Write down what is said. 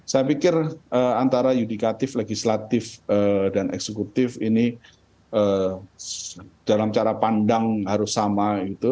saya pikir antara yudikatif legislatif dan eksekutif ini dalam cara pandang harus sama gitu